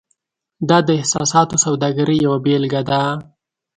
دا د احساساتو سوداګرۍ یوه بیلګه ده.